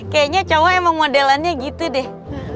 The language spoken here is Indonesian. kayaknya cowok emang modelannya gitu deh